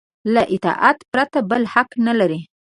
له اطاعت پرته بل حق نه لري.